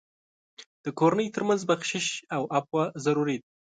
د کورنۍ تر منځ بخشش او عفو ضروري دي.